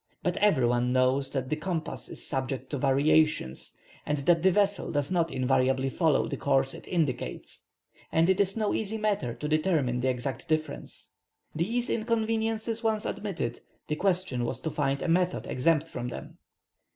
But every one knows that the compass is subject to variations, and that the vessel does not invariably follow the course it indicates, and it is no easy matter to determine the exact difference. These inconveniences once admitted, the question was to find a method exempt from them.